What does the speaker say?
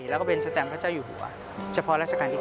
แล้วก็เป็นสแตมพระเจ้าอยู่หัวเฉพาะราชการที่๙